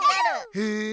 へえ。